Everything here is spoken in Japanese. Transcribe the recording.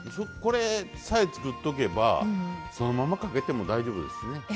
これさえ作っとけばそのままかけても大丈夫ですしね。